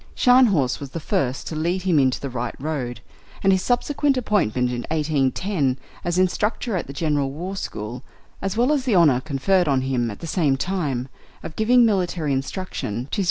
Scharnhorst was the first to lead him into the right road, and his subsequent appointment in 1810 as Instructor at the General War School, as well as the honour conferred on him at the same time of giving military instruction to H.R.